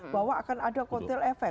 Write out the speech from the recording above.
bahwa akan ada kotel efek